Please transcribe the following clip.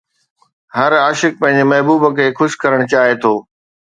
هر عاشق پنهنجي محبوب کي خوش ڪرڻ چاهي ٿو